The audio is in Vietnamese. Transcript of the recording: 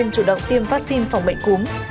chủ động tiêm vaccine phòng bệnh cúm